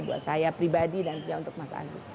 buat saya pribadi dan untuk mas agus